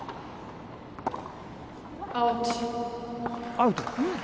アウト。